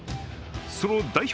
その代表